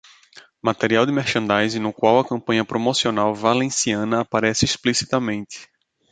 Material de merchandising no qual a campanha promocional valenciana aparece explicitamente.